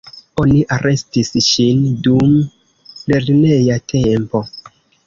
Oni arestis ŝin dum lerneja tempo.